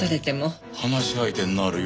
話し相手になるよ。